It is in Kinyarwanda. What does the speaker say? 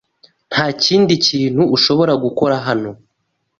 Nta kindi kintu ushobora gukora hano.